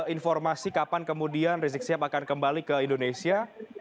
informasi kapan kemudian rezeki siap akan kembali ke indonesia